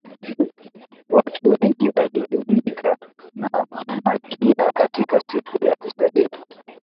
watu wengi walijumuika na malkia katika siku ya kuzaliwa